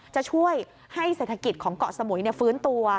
จะช่วยให้เศรษฐกิจของเกาะสมุยฟื้นตัว